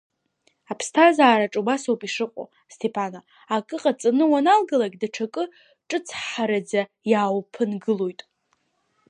Аԥсҭазаараҿ убас ауп ишыҟоу, Сҭеԥана, акы ҟаҵаны уаналгалак, даҽакы ҿыцҳҳараӡа иаауԥынгылоит.